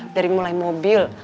dari mulai mobil